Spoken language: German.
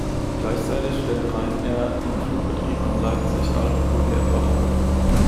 Gleichzeitig stellte Ryanair ihren Flugbetrieb am Leipzig-Altenburg Airport ein.